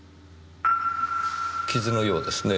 傷のようですね。